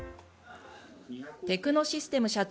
テクノシステム社長